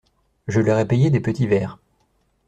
Je leur ai payé des petits verres.